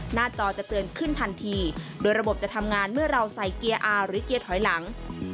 จอจะเตือนขึ้นทันทีโดยระบบจะทำงานเมื่อเราใส่เกียร์อาร์หรือเกียร์ถอยหลัง